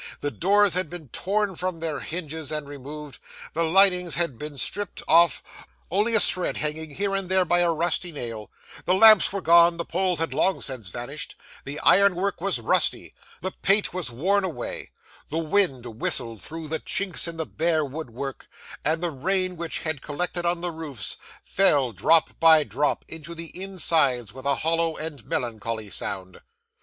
The doors had been torn from their hinges and removed; the linings had been stripped off, only a shred hanging here and there by a rusty nail; the lamps were gone, the poles had long since vanished, the ironwork was rusty, the paint was worn away; the wind whistled through the chinks in the bare woodwork; and the rain, which had collected on the roofs, fell, drop by drop, into the insides with a hollow and melancholy sound.